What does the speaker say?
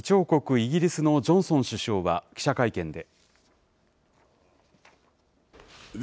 イギリスのジョンソン首相は、記者会見で。